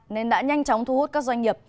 nên đã nhanh chóng thu hút các doanh nghiệp